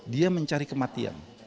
dia mencari kematian